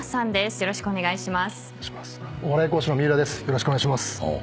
よろしくお願いします。